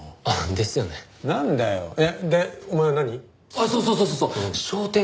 あっそうそうそうそうそう。